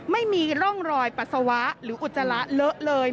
ไม่มีร่องรอยปัสสาวะหรืออุจจาระเลอะเลย